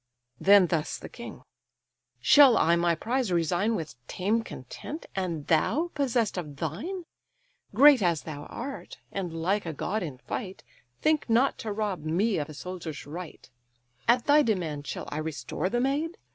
Then thus the king: "Shall I my prize resign With tame content, and thou possess'd of thine? Great as thou art, and like a god in fight, Think not to rob me of a soldier's right. At thy demand shall I restore the maid?